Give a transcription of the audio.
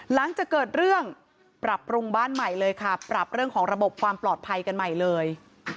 หลังจากเกิดเรื่องปรับปรุงบ้านใหม่เลยค่ะปรับเรื่องของระบบความปลอดภัยกันใหม่เลย